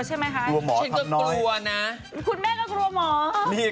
อ้ะกลัวหมอปักให้น้อยแบบนี้